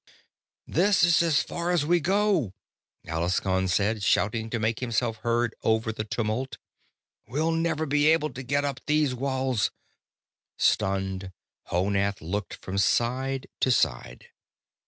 "This is as far as we go!" Alaskon said, shouting to make himself heard over the tumult. "We'll never be able to get up these walls!" Stunned, Honath looked from side to side.